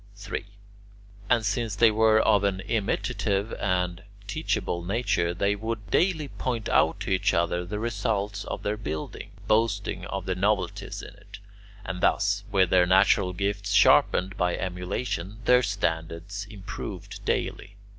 3. And since they were of an imitative and teachable nature, they would daily point out to each other the results of their building, boasting of the novelties in it; and thus, with their natural gifts sharpened by emulation, their standards improved daily.